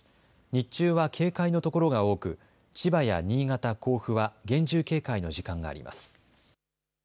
日中は警戒の所が多く千葉や新潟、甲府は厳重警戒の時間があります。